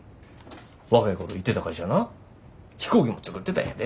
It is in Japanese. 若い頃行ってた会社な飛行機も作ってたんやで。